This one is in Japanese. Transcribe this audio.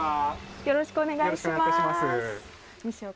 よろしくお願いします。